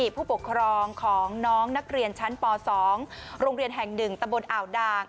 ผู้ปกครองของน้องนักเรียนชั้นป๒โรงเรียนแห่ง๑ตะบนอ่าวดาง